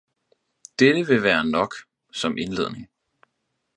Dette vil være nok, som indledning